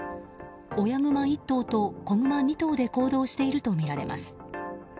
親グマ１頭と子グマ２頭で行動しているとみられます。